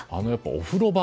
お風呂場。